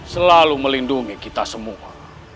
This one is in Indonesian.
selalu melindungi kita semua